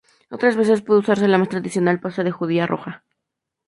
Otra veces puede usarse la más tradicional pasta de judía roja.